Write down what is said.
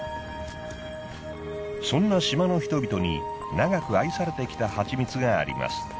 そんな島の人々に長く愛されてきた蜂蜜があります。